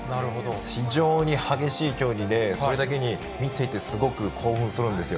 非常に激しい競技で、それだけに見ていてすごく興奮するんですよ。